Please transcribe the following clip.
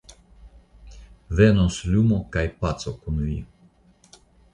Venos lumo kaj paco kun vi.